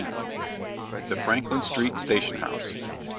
THE FRANKLIN STREET STATION HOUSE.